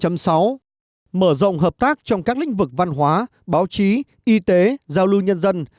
mở rộng hợp tác trong các lĩnh vực văn hóa báo chí y tế giao lưu nhân dân